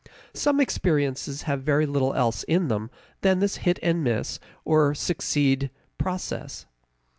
Some experiences have very little else in them than this hit and miss or succeed process.